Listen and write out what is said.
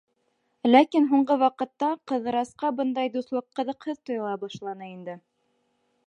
Ләкин һуңғы ваҡытта Ҡыҙырасҡа бындай дуҫлыҡ ҡыҙыҡһыҙ тойола башланы инде.